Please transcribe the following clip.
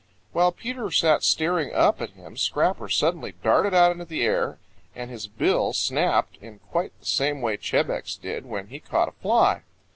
While Peter sat staring up at him Scrapper suddenly darted out into the air, and his bill snapped in quite the same way Chebec's did when he caught a fly.